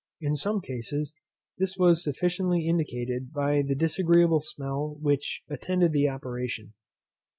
In some cases this was sufficiently indicated by the disagreeable smell which attended the operation.